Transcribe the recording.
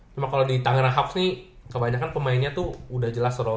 cuma kalo di tangerang house nih kebanyakan pemainnya tuh udah jelas wrong